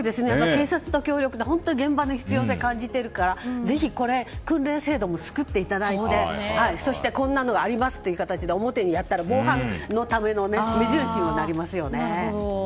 警察と協力して現場に必要性を感じているからぜひ訓練制度も作っていただいてそして、こんなのがありますという形で表にやったら防犯のための目印にもなりますよね。